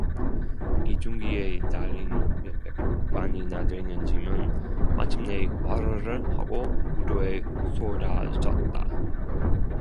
기중기에 달린 몇백 관이나 되는 짐은 마침내 와르르 하고 부두에 쏟아졌다.